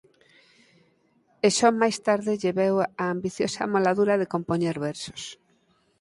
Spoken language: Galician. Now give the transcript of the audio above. E só máis tarde lle veu a ambiciosa amoladura de compoñer versos.